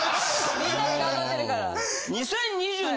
みんなで頑張ってるから。